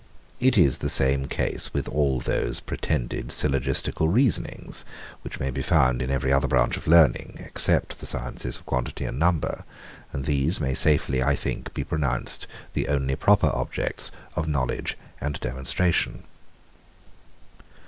It is the same case with all those pretended syllogistical reasonings, which may be found in every other branch of learning, except the sciences of quantity and number; and these may safely, I think, be pronounced the only proper objects of knowledge and demonstration.